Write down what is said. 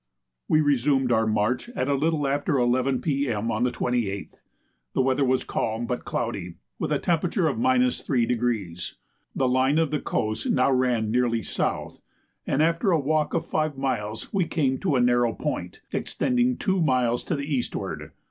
We resumed our march at a little after 11 P.M. on the 28th. The weather was calm, but cloudy, with the temperature 3°. The line of coast now ran nearly south, and after a walk of five miles we came to a narrow point, extending two miles to the eastward.